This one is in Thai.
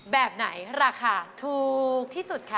แบบไหนราคาถูกที่สุดคะ